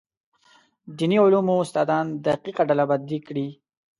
دیني علومو استادان دقیقه ډلبندي کړي.